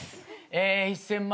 え１，０００万